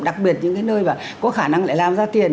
đặc biệt những nơi có khả năng làm ra tiền